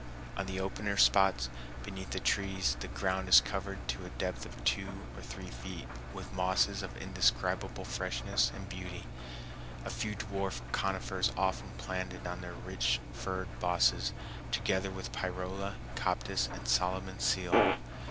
On the opener spots beneath the trees the ground is covered to a depth of two or three feet with mosses of indescribable freshness and beauty, a few dwarf conifers often planted on their rich furred bosses, together with pyrola, coptis, and Solomon's seal.